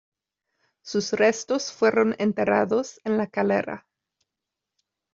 Sus restos fueron enterrados en La Calera.